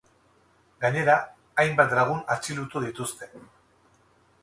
Gainera, hainbat lagun atxilotu dituzte.